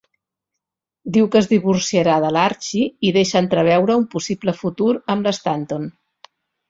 Diu que es divorciarà de l'Archie i deixa entreveure un possible futur amb l'Stanton.